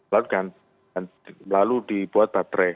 lalu dibuat baterai